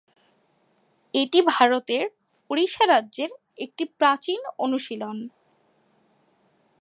এটি ভারতের ওড়িশা রাজ্যের একটি প্রাচীন অনুশীলন।